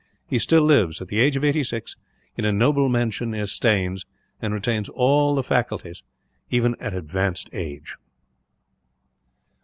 He still lives, at the age of eighty six, in a noble mansion near Staines; and retains all the faculties, even at advanced age.